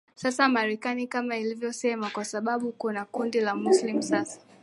sasa marekani kama ilivyosema kwa sababu kuna kundi la muslim sasa